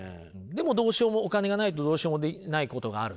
でもどうしようもお金がないとどうしようもないことがあると。